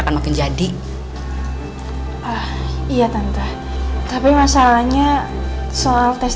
kamu gak usah khawatir